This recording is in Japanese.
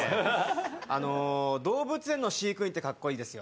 あの動物園の飼育員ってかっこいいですよね。